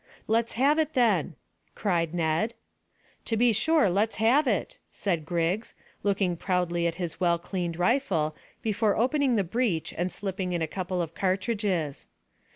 "Let's have it, then," cried Ned. "To be sure, let's have it," said Griggs, looking proudly at his well cleaned rifle, before opening the breech and slipping in a couple of cartridges.